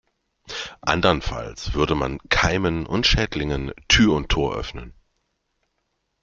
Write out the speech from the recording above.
Andernfalls würde man Keimen und Schädlingen Tür und Tor öffnen.